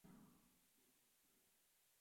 اس کے نزدیک یہ مدارس دین نہیں، طاقت کے مراکز ہیں۔